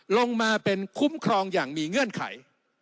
ลงมาเป็นคุ้มครองอย่างมีเงื่อนไข